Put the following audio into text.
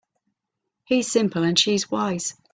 He's simple and she's wise.